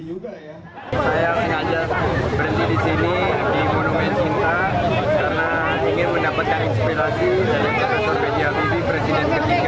saya sengaja berdiri di sini di monumen cinta